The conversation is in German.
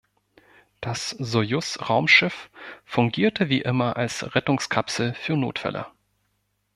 Das Sojus-Raumschiff fungierte wie immer als Rettungskapsel für Notfälle.